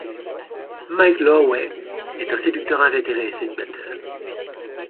Mike Lowrey est un séducteur invétéré et célibataire.